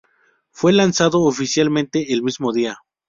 Fue lanzado oficialmente el mismo día.